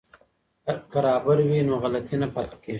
که رابر وي نو غلطي نه پاتې کیږي.